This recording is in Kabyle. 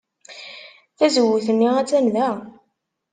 Tazewwut-nni attan da.